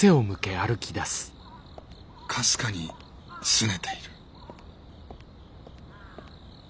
かすかにすねている。